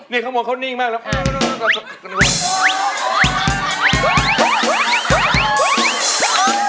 นี่เขานิ่งมาก